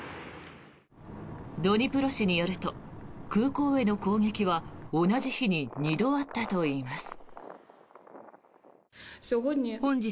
ドニプロ市によると空港への攻撃は同じ日に２度あったといいます。